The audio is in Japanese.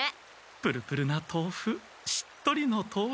ぷるぷるなとうふしっとりのとうふ。